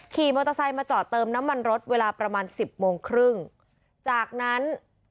ขี่มอเตอร์ไซค์มาจอดเติมน้ำมันรถเวลาประมาณสิบโมงครึ่งจากนั้น